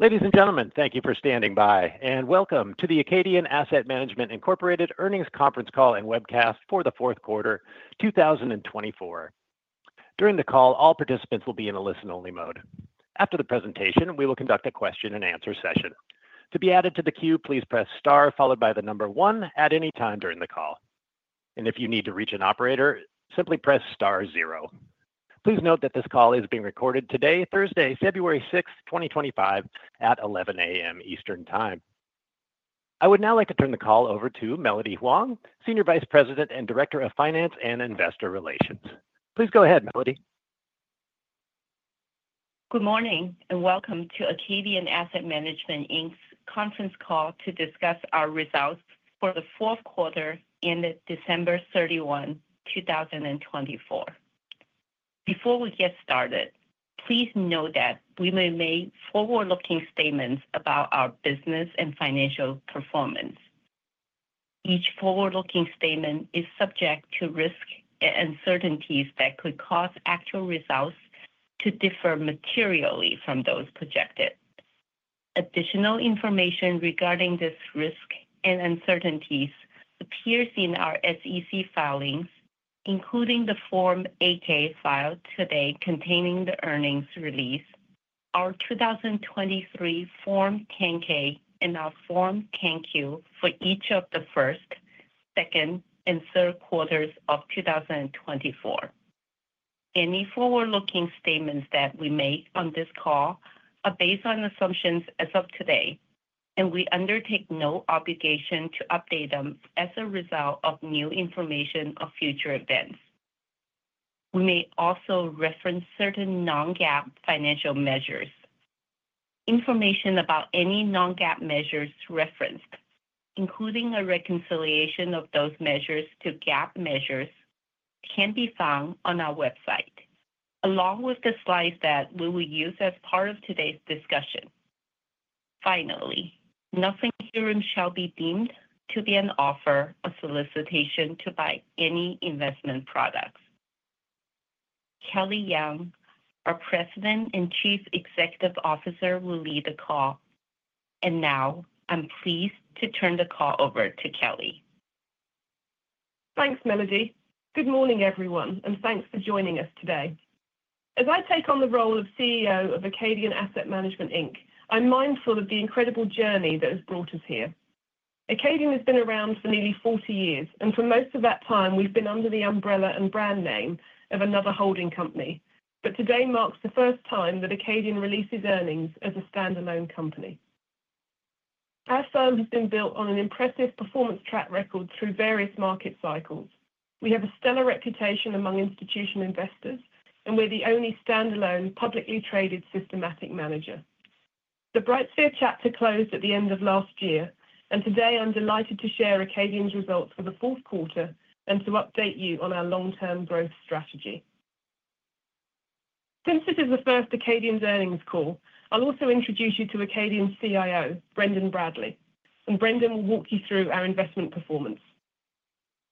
Ladies and gentlemen, thank you for standing by, and welcome to the Acadian Asset Management Incorporated earnings conference call and webcast for the fourth quarter 2024. During the call, all participants will be in a listen-only mode. After the presentation, we will conduct a question-and-answer session. To be added to the queue, please press star followed by the number one at any time during the call. And if you need to reach an operator, simply press star zero. Please note that this call is being recorded today, Thursday, February 6, 2025, at 11:00 A.M. Eastern Time. I would now like to turn the call over to Melody Huang, Senior Vice President and Director of Finance and Investor Relations. Please go ahead, Melody. Good morning and welcome to Acadian Asset Management Inc.'s conference call to discuss our results for the fourth quarter ended December 31, 2024. Before we get started, please note that we may make forward-looking statements about our business and financial performance. Each forward-looking statement is subject to risk and uncertainties that could cause actual results to differ materially from those projected. Additional information regarding this risk and uncertainties appears in our SEC filings, including the Form 8-K filed today containing the earnings release, our 2023 Form 10-K, and our Form 10-Q for each of the first, second, and third quarters of 2024. Any forward-looking statements that we make on this call are based on assumptions as of today, and we undertake no obligation to update them as a result of new information or future events. We may also reference certain non-GAAP financial measures. Information about any non-GAAP measures referenced, including a reconciliation of those measures to GAAP measures, can be found on our website, along with the slides that we will use as part of today's discussion. Finally, nothing here shall be deemed to be an offer or solicitation to buy any investment products. Kelly Young, our President and Chief Executive Officer, will lead the call, and now I'm pleased to turn the call over to Kelly. Thanks, Melody. Good morning, everyone, and thanks for joining us today. As I take on the role of CEO of Acadian Asset Management Inc., I'm mindful of the incredible journey that has brought us here. Acadian has been around for nearly 40 years, and for most of that time, we've been under the umbrella and brand name of another holding company. But today marks the first time that Acadian releases earnings as a standalone company. Our firm has been built on an impressive performance track record through various market cycles. We have a stellar reputation among institutional investors, and we're the only standalone publicly traded systematic manager. The BrightSphere chapter closed at the end of last year, and today I'm delighted to share Acadian's results for the fourth quarter and to update you on our long-term growth strategy. Since this is the first Acadian's earnings call, I'll also introduce you to Acadian's CIO, Brendan Bradley, and Brendan will walk you through our investment performance.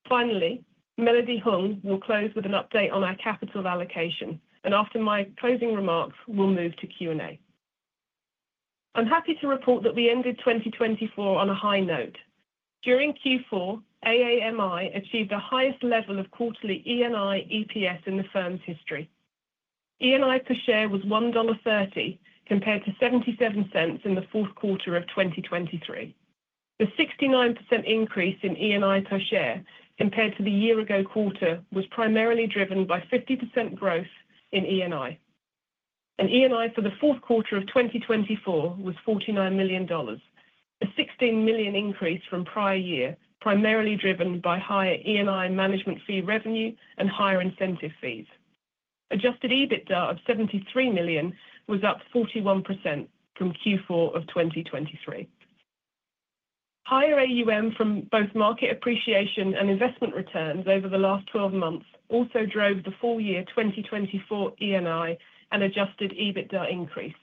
Finally, Melody Huang will close with an update on our capital allocation, and after my closing remarks, we'll move to Q&A. I'm happy to report that we ended 2024 on a high note. During Q4, AAMI achieved the highest level of quarterly ENI EPS in the firm's history. ENI per share was $1.30 compared to $0.77 in the fourth quarter of 2023. The 69% increase in ENI per share compared to the year-ago quarter was primarily driven by 50% growth in ENI. And ENI for the fourth quarter of 2024 was $49 million, a $16 million increase from prior year, primarily driven by higher ENI management fee revenue and higher incentive fees. Adjusted EBITDA of $73 million was up 41% from Q4 of 2023. Higher AUM from both market appreciation and investment returns over the last 12 months also drove the full-year 2024 ENI and adjusted EBITDA increase.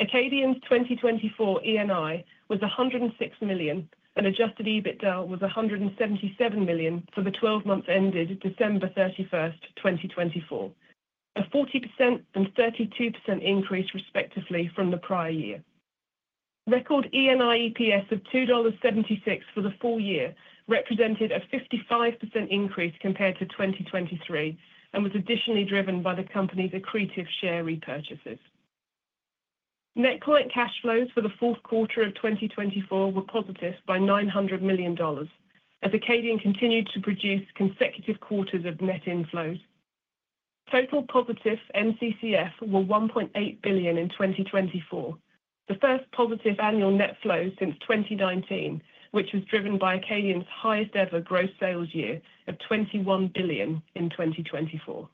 Acadian's 2024 ENI was $106 million, and adjusted EBITDA was $177 million for the 12 months ended December 31, 2024, a 40% and 32% increase respectively from the prior year. Record ENI EPS of $2.76 for the full year represented a 55% increase compared to 2023 and was additionally driven by the company's accretive share repurchases. Net client cash flows for the fourth quarter of 2024 were positive by $900 million, as Acadian continued to produce consecutive quarters of net inflows. Total positive NCCF were $1.8 billion in 2024, the first positive annual net flow since 2019, which was driven by Acadian's highest-ever gross sales year of $21 billion in 2024.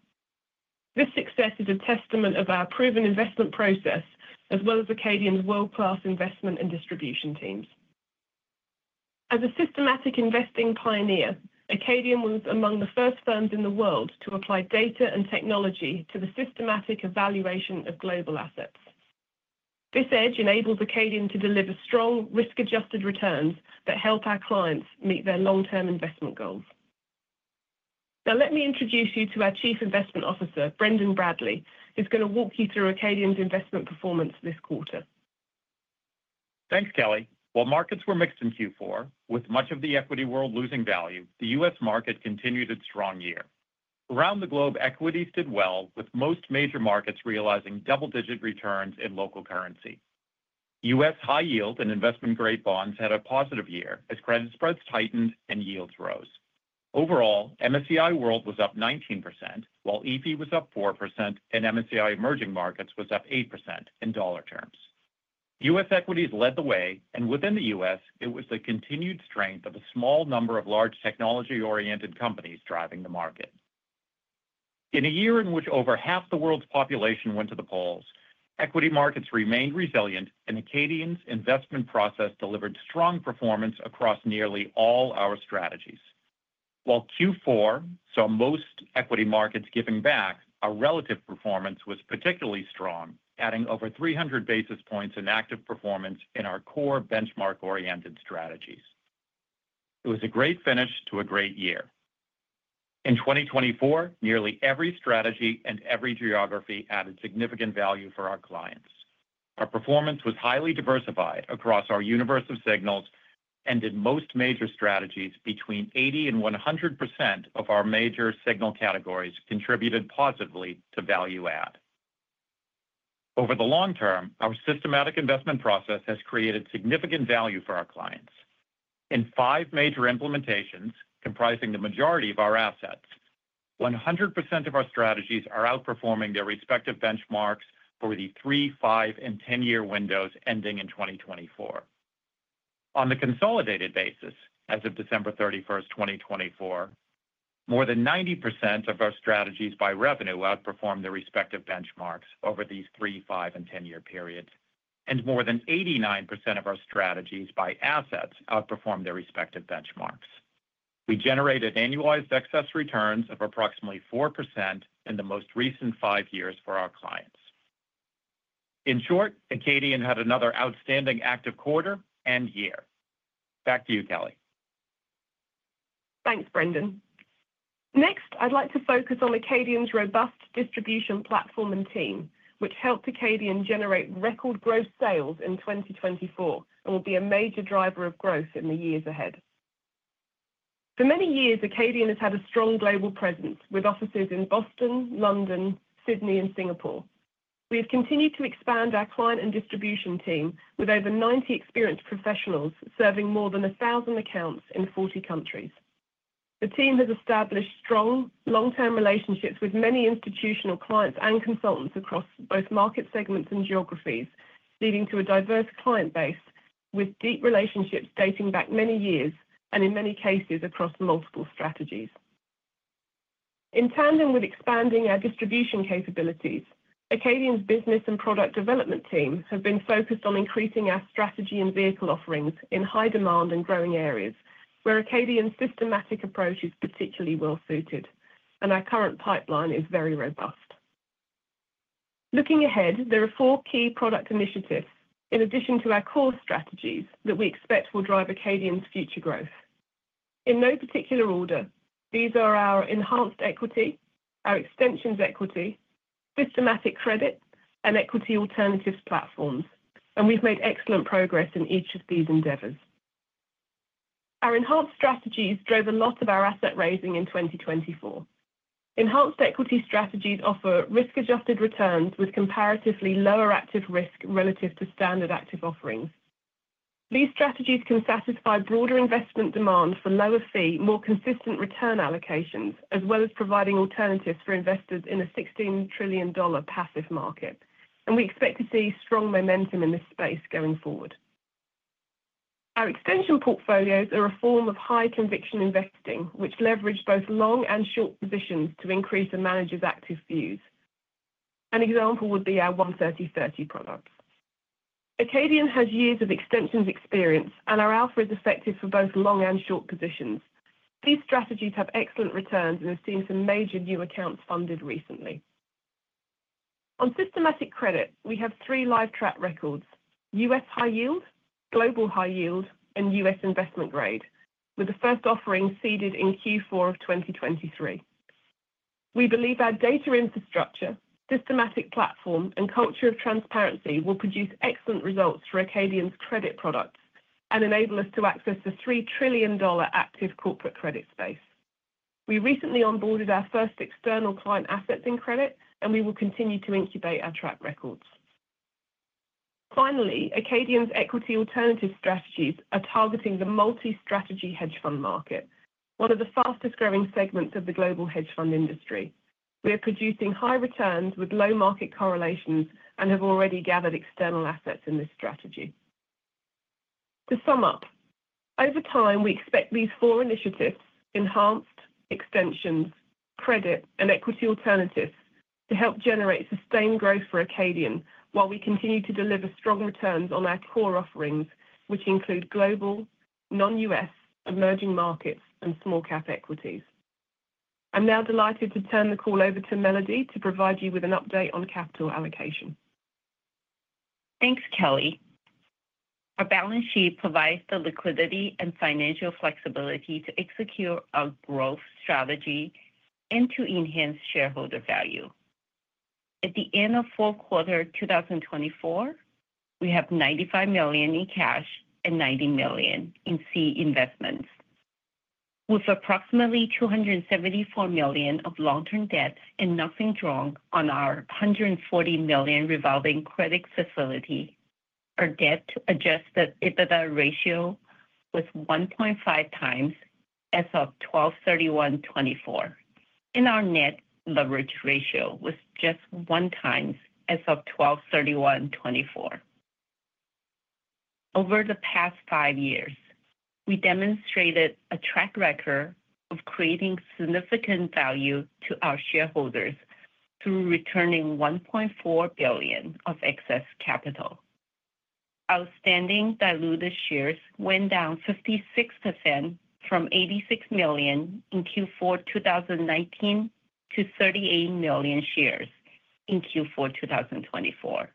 This success is a testament of our proven investment process, as well as Acadian's world-class investment and distribution teams. As a systematic investing pioneer, Acadian was among the first firms in the world to apply data and technology to the systematic evaluation of global assets. This edge enables Acadian to deliver strong, risk-adjusted returns that help our clients meet their long-term investment goals. Now, let me introduce you to our Chief Investment Officer, Brendan Bradley, who's going to walk you through Acadian's investment performance this quarter. Thanks, Kelly. While markets were mixed in Q4, with much of the equity world losing value, the U.S. market continued its strong year. Around the globe, equities did well, with most major markets realizing double-digit returns in local currency. U.S. High-Yield and investment-grade bonds had a positive year as credit spreads tightened and yields rose. Overall, MSCI World was up 19%, while EAFE was up 4%, and MSCI Emerging Markets was up 8% in dollar terms. U.S. equities led the way, and within the U.S., it was the continued strength of a small number of large technology-oriented companies driving the market. In a year in which over half the world's population went to the polls, equity markets remained resilient, and Acadian's investment process delivered strong performance across nearly all our strategies. While Q4 saw most equity markets giving back, our relative performance was particularly strong, adding over 300 basis points in active performance in our core benchmark-oriented strategies. It was a great finish to a great year. In 2024, nearly every strategy and every geography added significant value for our clients. Our performance was highly diversified across our universe of signals and in most major strategies, between 80 and 100% of our major signal categories contributed positively to value-add. Over the long term, our systematic investment process has created significant value for our clients. In five major implementations comprising the majority of our assets, 100% of our strategies are outperforming their respective benchmarks for the three, five, and 10-year windows ending in 2024. On the consolidated basis, as of December 31, 2024, more than 90% of our strategies by revenue outperformed their respective benchmarks over these three, five, and ten-year periods, and more than 89% of our strategies by assets outperformed their respective benchmarks. We generated annualized excess returns of approximately 4% in the most recent five years for our clients. In short, Acadian had another outstanding active quarter and year. Back to you, Kelly. Thanks, Brendan. Next, I'd like to focus on Acadian's robust distribution platform and team, which helped Acadian generate record gross sales in 2024 and will be a major driver of growth in the years ahead. For many years, Acadian has had a strong global presence with offices in Boston, London, Sydney, and Singapore. We have continued to expand our client and distribution team with over 90 experienced professionals serving more than 1,000 accounts in 40 countries. The team has established strong long-term relationships with many institutional clients and consultants across both market segments and geographies, leading to a diverse client base with deep relationships dating back many years and, in many cases, across multiple strategies. In tandem with expanding our distribution capabilities, Acadian's business and product development team have been focused on increasing our strategy and vehicle offerings in high-demand and growing areas, where Acadian's systematic approach is particularly well-suited, and our current pipeline is very robust. Looking ahead, there are four key product initiatives in addition to our core strategies that we expect will drive Acadian's future growth. In no particular order, these are our enhanced equity, our Extensions Equity, Systematic Credit, and Equity Alternatives platforms, and we've made excellent progress in each of these endeavors. Our enhanced strategies drove a lot of our asset raising in 2024. Enhanced Equity strategies offer risk-adjusted returns with comparatively lower active risk relative to standard active offerings. These strategies can satisfy broader investment demand for lower-fee, more consistent return allocations, as well as providing alternatives for investors in a $16 trillion passive market, and we expect to see strong momentum in this space going forward. Our extension portfolios are a form of high-conviction investing, which leverage both long and short positions to increase a manager's active views. An example would be our 130/30 products. Acadian has years of extensions experience, and our alpha is effective for both long and short positions. These strategies have excellent returns and have seen some major new accounts funded recently. On Systematic Credit, we have three live track records: U.S. High Yield, global High Yield, and U.S. Investment Grade, with the first offering seeded in Q4 of 2023. We believe our data infrastructure, systematic platform, and culture of transparency will produce excellent results for Acadian's credit products and enable us to access the $3 trillion active corporate credit space. We recently onboarded our first external client assets in credit, and we will continue to incubate our track records. Finally, Acadian's Equity Alternative strategies are targeting the multi-strategy hedge fund market, one of the fastest-growing segments of the global hedge fund industry. We are producing high returns with low market correlations and have already gathered external assets in this strategy. To sum up, over time, we expect these four initiatives: enhanced, extensions, credit, and Equity Alternatives to help generate sustained growth for Acadian while we continue to deliver strong returns on our core offerings, which include global, non-U.S., emerging markets, and small-cap equities. I'm now delighted to turn the call over to Melody to provide you with an update on capital allocation. Thanks, Kelly. Our balance sheet provides the liquidity and financial flexibility to execute our growth strategy and to enhance shareholder value. At the end of fourth quarter 2024, we have $95 million in cash and $90 million in seed investments. With approximately $274 million of long-term debt and nothing drawn on our $140 million revolving credit facility, our Debt-to-Adjusted EBITDA ratio was 1.5x as of 12/31/2024, and our net leverage ratio was just 1x as of 12/31/2024. Over the past five years, we demonstrated a track record of creating significant value to our shareholders through returning $1.4 billion of excess capital. Outstanding diluted shares went down 56% from 86 million in Q4 2019 to 38 million shares in Q4 2024.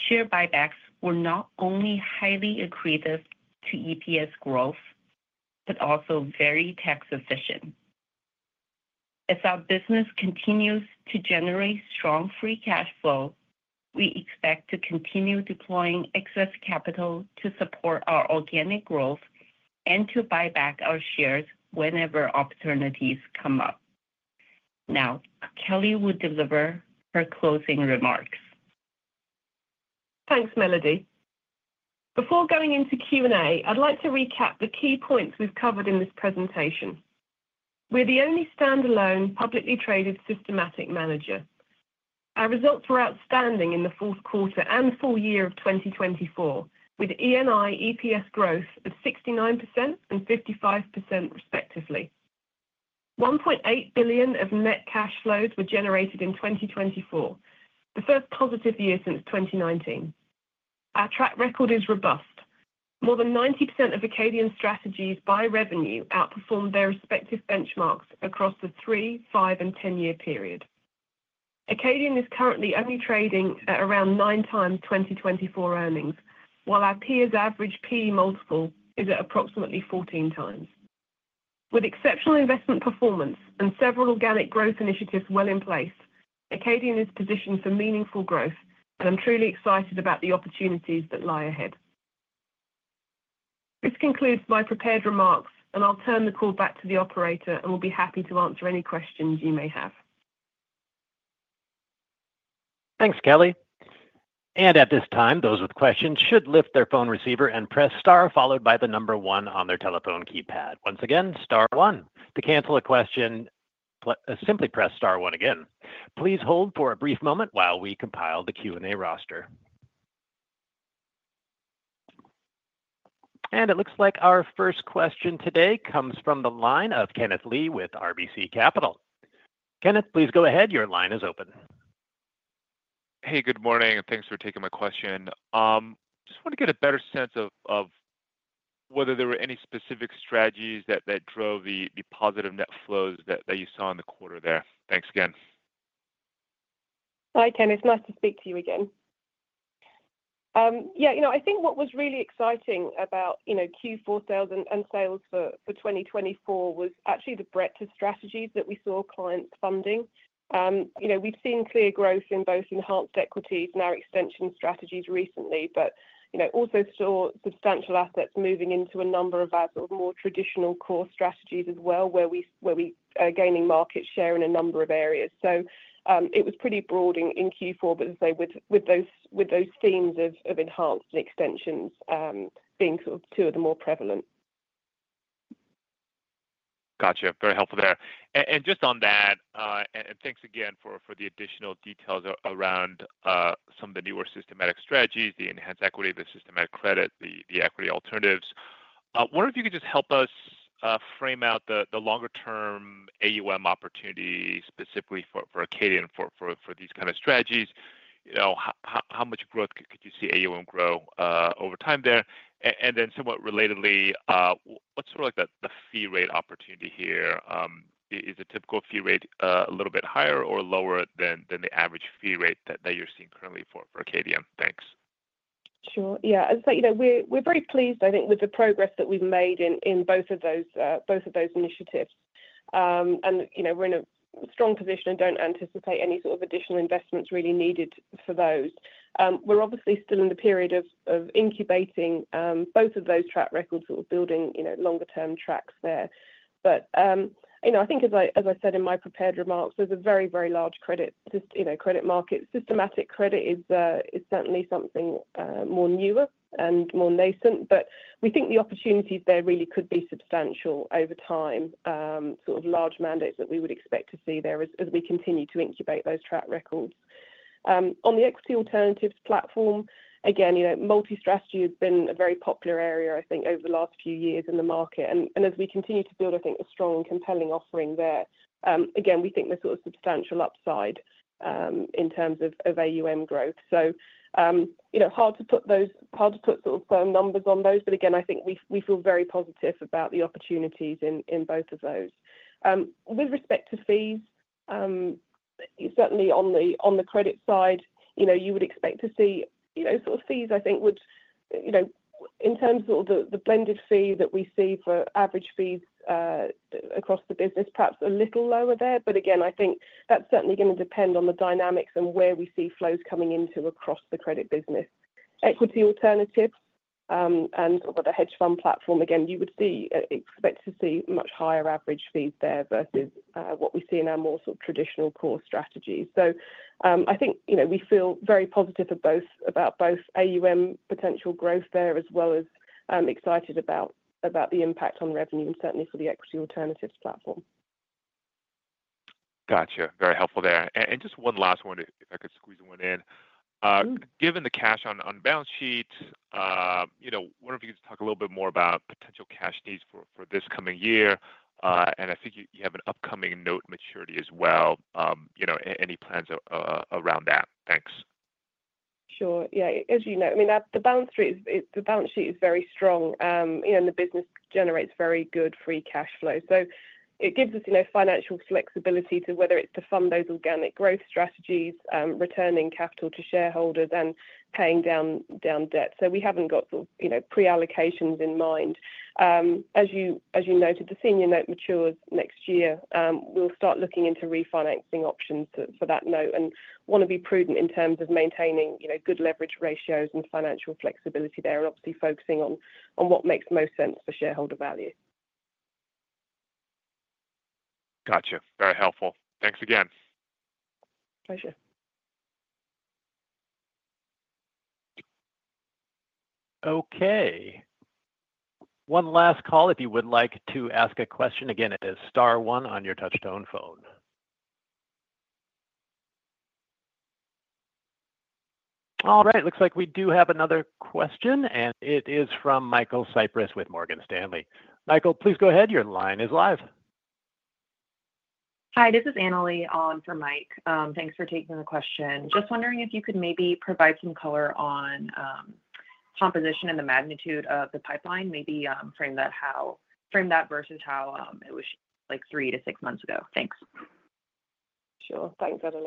Share buybacks were not only highly accretive to EPS growth but also very tax-efficient. As our business continues to generate strong free cash flow, we expect to continue deploying excess capital to support our organic growth and to buy back our shares whenever opportunities come up. Now, Kelly will deliver her closing remarks. Thanks, Melody. Before going into Q&A, I'd like to recap the key points we've covered in this presentation. We're the only standalone publicly traded systematic manager. Our results were outstanding in the fourth quarter and full year of 2024, with ENI EPS growth of 69% and 55% respectively. $1.8 billion of net cash flows were generated in 2024, the first positive year since 2019. Our track record is robust. More than 90% of Acadian's strategies by revenue outperformed their respective benchmarks across the three, five, and 10-year period. Acadian is currently only trading at around nine times 2024 earnings, while our peers' average P/E multiple is at approximately 14 times. With exceptional investment performance and several organic growth initiatives well in place, Acadian is positioned for meaningful growth, and I'm truly excited about the opportunities that lie ahead. This concludes my prepared remarks, and I'll turn the call back to the operator, and we'll be happy to answer any questions you may have. Thanks, Kelly. And at this time, those with questions should lift their phone receiver and press star, followed by the number one on their telephone keypad. Once again, star one. To cancel a question, simply press star one again. Please hold for a brief moment while we compile the Q&A roster. And it looks like our first question today comes from the line of Kenneth Lee with RBC Capital. Kenneth, please go ahead. Your line is open. Hey, good morning, and thanks for taking my question. I just want to get a better sense of whether there were any specific strategies that drove the positive net flows that you saw in the quarter there. Thanks again. Hi, Kenneth. It's nice to speak to you again. Yeah, you know, I think what was really exciting about Q4 sales and sales for 2024 was actually the breadth of strategies that we saw clients funding. We've seen clear growth in both enhanced equities and our extension strategies recently, but also saw substantial assets moving into a number of our sort of more traditional core strategies as well, where we are gaining market share in a number of areas. So it was pretty broad in Q4, but as I say, with those themes of enhanced and extensions being sort of two of the more prevalent. Gotcha. Very helpful there. And just on that, and thanks again for the additional details around some of the newer systematic strategies, the Enhanced Equity, the Systematic Credit, the Equity Alternatives. I wonder if you could just help us frame out the longer-term AUM opportunity specifically for Acadian for these kind of strategies. How much growth could you see AUM grow over time there? And then somewhat relatedly, what's sort of like the fee rate opportunity here? Is the typical fee rate a little bit higher or lower than the average fee rate that you're seeing currently for Acadian? Thanks. Sure. Yeah, as I say, we're very pleased, I think, with the progress that we've made in both of those initiatives, and we're in a strong position and don't anticipate any sort of additional investments really needed for those. We're obviously still in the period of incubating both of those track records, sort of building longer-term tracks there, but I think, as I said in my prepared remarks, there's a very, very large credit market. Systematic Credit is certainly something more newer and more nascent, but we think the opportunities there really could be substantial over time, sort of large mandates that we would expect to see there as we continue to incubate those track records. On the Equity Alternatives platform, again, multi-strategy has been a very popular area, I think, over the last few years in the market. As we continue to build, I think, a strong and compelling offering there, again, we think there's sort of substantial upside in terms of AUM growth. So hard to put sort of firm numbers on those, but again, I think we feel very positive about the opportunities in both of those. With respect to fees, certainly on the credit side, you would expect to see sort of fees, I think, would, in terms of sort of the blended fee that we see for average fees across the business, perhaps a little lower there. But again, I think that's certainly going to depend on the dynamics and where we see flows coming into across the credit business. Equity Alternatives and sort of the hedge fund platform, again, you would expect to see much higher average fees there versus what we see in our more sort of traditional core strategies. So I think we feel very positive about both AUM potential growth there as well as excited about the impact on revenue and certainly for the Equity Alternatives platform. Gotcha. Very helpful there. And just one last one, if I could squeeze one in. Given the cash on balance sheet, I wonder if you could just talk a little bit more about potential cash needs for this coming year. And I think you have an upcoming note maturity as well. Any plans around that? Thanks. Sure. Yeah, as you know, I mean, the balance sheet is very strong, and the business generates very good free cash flow. So it gives us financial flexibility to whether it's to fund those organic growth strategies, returning capital to shareholders, and paying down debt. So we haven't got sort of pre-allocations in mind. As you noted, the senior note matures next year. We'll start looking into refinancing options for that note and want to be prudent in terms of maintaining good leverage ratios and financial flexibility there and obviously focusing on what makes most sense for shareholder value. Gotcha. Very helpful. Thanks again. Pleasure. Okay. One last call. If you would like to ask a question again, it is star one on your touch-tone phone. All right. Looks like we do have another question, and it is from Michael Cyprys with Morgan Stanley. Michael, please go ahead. Your line is live. Hi, this is Anna Lee for Mike. Thanks for taking the question. Just wondering if you could maybe provide some color on composition and the magnitude of the pipeline, maybe frame that versus how it was like three to six months ago? Thanks. Sure. Thanks, Anna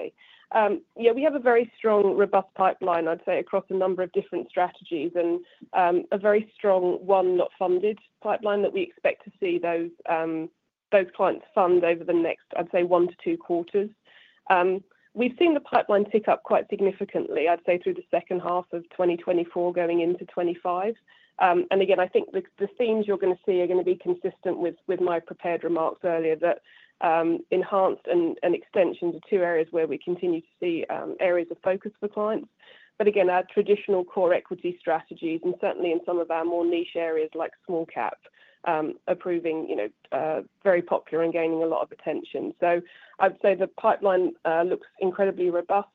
Lee. Yeah, we have a very strong, robust pipeline, I'd say, across a number of different strategies and a very strong unfunded pipeline that we expect to see those clients fund over the next, I'd say, one to two quarters. We've seen the pipeline tick up quite significantly, I'd say, through the second half of 2024 going into 2025. And again, I think the themes you're going to see are going to be consistent with my prepared remarks earlier that enhanced and extensions are two areas where we continue to see areas of focus for clients. But again, our traditional core equity strategies and certainly in some of our more niche areas like small-cap are proving very popular and gaining a lot of attention. I'd say the pipeline looks incredibly robust,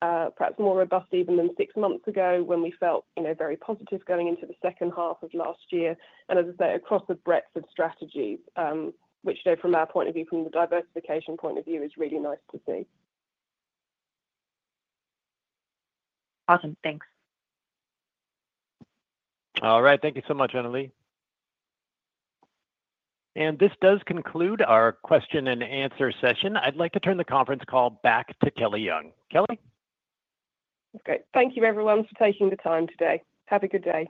perhaps more robust even than six months ago when we felt very positive going into the second half of last year, and as I say, across a breadth of strategies, which from our point of view, from the diversification point of view, is really nice to see. Awesome. Thanks. All right. Thank you so much, Anna Lee. And this does conclude our question-and-answer session. I'd like to turn the conference call back to Kelly Young. Kelly? Okay. Thank you, everyone, for taking the time today. Have a good day.